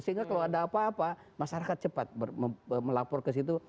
sehingga kalau ada apa apa masyarakat cepat melapor ke situ